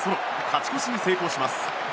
勝ち越しに成功します。